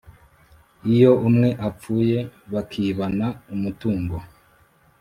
Iyo umwe apfuye bakibana umutungo